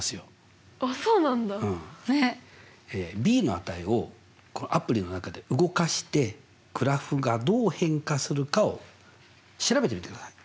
ｂの値をアプリの中で動かしてグラフがどう変化するかを調べてみてください。